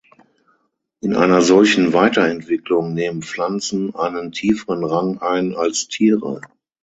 In einer solchen „Weiterentwicklung“ nehmen Pflanzen einen tieferen Rang ein als Tiere.